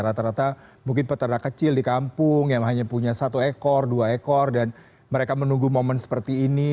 rata rata mungkin peternak kecil di kampung yang hanya punya satu ekor dua ekor dan mereka menunggu momen seperti ini